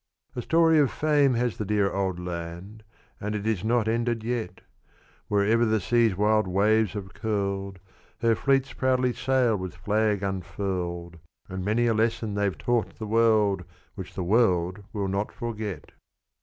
A story of fame has the "Dear Old Land," And it is not ended yet. Wherever the sea's wild waves have curled Her fleets proudly sail with flag unfurled, And many a lesson they've taught the world, Which the world will not forget.